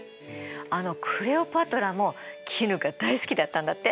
あのクレオパトラも絹が大好きだったんだって。